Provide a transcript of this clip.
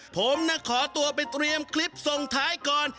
ผมนะขอตัวไปเตรียมคลิปส่งท้ายก่อน